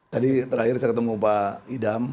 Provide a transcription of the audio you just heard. tadi terakhir saya ketemu pak idam